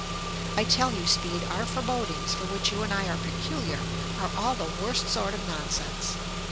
I tell you, Speed, our forebodings, for which you and I are peculiar, are all the worst sort of nonsense.